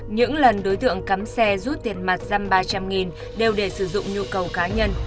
những lần đối tượng cắm xe rút tiền mặt xăm ba trăm linh đều để sử dụng nhu cầu cá nhân